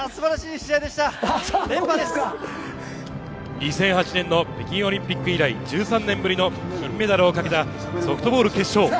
２００８年の北京オリンピック以来、１３年ぶりの金メダルをかけたソフトボール決勝。